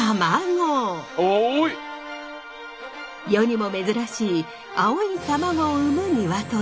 世にも珍しい青い卵を産む鶏。